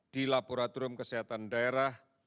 di laboratorium kesehatan daerah